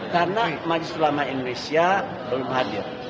karena majlis ulama indonesia belum hadir